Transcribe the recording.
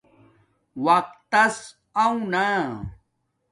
وقت تس آوہ نا